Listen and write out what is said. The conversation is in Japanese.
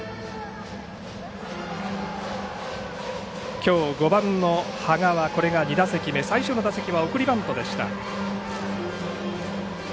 きょう５番垪和はこれが２打席目最初の打席は送りバントでした。